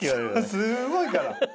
すごいから。